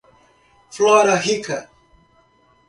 Flora Rica